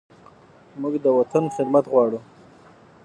موږ د وطن خدمت غواړو.